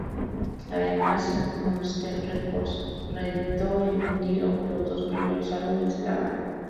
Además, Munster Records reeditó en vinilo los dos primeros álbumes de la banda.